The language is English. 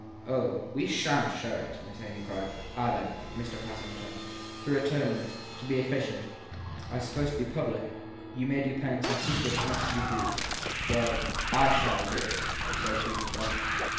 Oh, we shan t show it ! Miss Amy cried. Ah, then, Mr. Patten returned, though atonements, to be efficient, are supposed to be public, you may do penance in secret as much as you please ! Well, / shall do it, said Susan Frush.